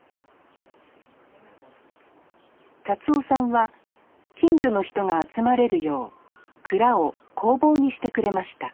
達男さんは近所の人が集まれるよう蔵を工房にしてくれました